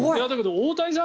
大谷さん